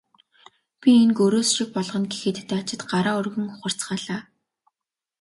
Би энэ гөрөөс шиг болгоно гэхэд дайчид гараа өргөн ухарцгаалаа.